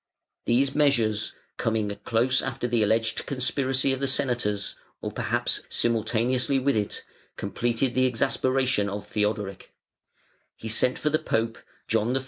These measures, coming close after the alleged conspiracy of the Senators, or perhaps simultaneously with it, completed the exasperation of Theodoric, He sent for the Pope, John I.